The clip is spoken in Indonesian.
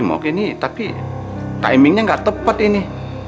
mungkin ini tapi timingnya nggak tepat ini